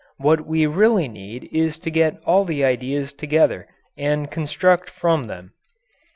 What we really need is to get all the ideas together and construct from them.